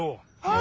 あ！